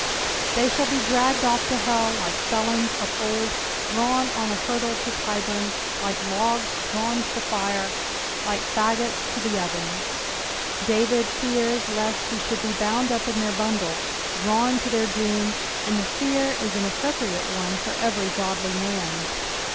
— They shall be drs^ned off to hell like felons of old drawn on a hurdle to Tyburn, liko logjs drawn to the nre, like fagots to the oven. David fears lest he should be bouna up in their bundle, drawn to their doom ; and the fear is an appropriate one for every godly man.